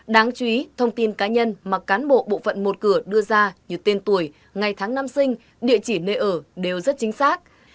đáng chú ý thông tin cá nhân mà cán bộ bộ phận một cửa đưa ra như tên tuổi ngày tháng năm sinh địa chỉ nơi ở đều rất chính xác